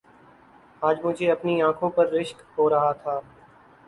آج مجھے اپنی انکھوں پر رشک ہو رہا تھا